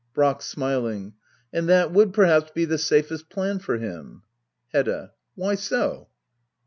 Brack. [SmiUng,] And that would perhaps be the satest plan for him. Hedda. Whyso.>